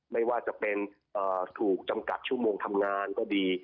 ไม่ว่าจะเป็นถูกจำกัดชั่วโมงทำงานก็ดี